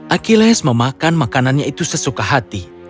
achilles memakan makanannya itu sesuka hati